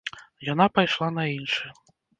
Яна пайшла на іншы.